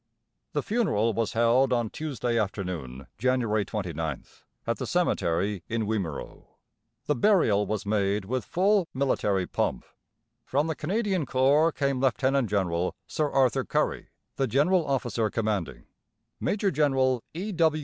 The funeral was held on Tuesday afternoon, January 29th, at the cemetery in Wimereux. The burial was made with full military pomp. From the Canadian Corps came Lieut. General Sir Arthur Currie, the General Officer Commanding; Major General E.